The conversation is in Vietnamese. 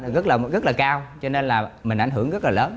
rất là cao cho nên là mình ảnh hưởng rất là lớn